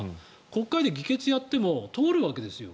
国会で議決をやっても通るわけですよ。